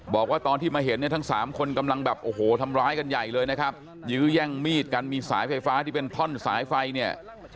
บอกว่าตอนที่มาเห็นเนี่ยทั้งสามคนกำลังแบบโอ้โหทำร้ายกันใหญ่เลยนะครับยื้อแย่งมีดกันมีสายไฟฟ้าที่เป็นท่อนสายไฟเนี่ย